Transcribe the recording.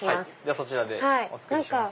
そちらでお作りします。